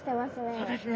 そうですね。